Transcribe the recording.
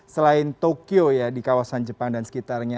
selain tokyo ya di kawasan jepang dan sekitarnya